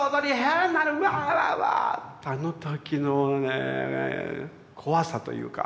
あの時のねぇ怖さというか。